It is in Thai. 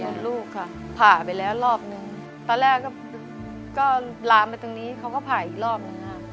ลูกค่ะผ่าไปแล้วรอบนึงตอนแรกก็ลามไปตรงนี้เขาก็ผ่าอีกรอบหนึ่งค่ะ